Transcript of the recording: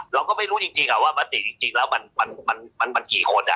เราก็ไม่รู้จริงจริงอ่ะว่าปกติจริงจริงแล้วมันมันมันมันกี่คนอ่ะ